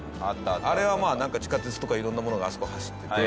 あれは地下鉄とか色んなものがあそこ走ってて。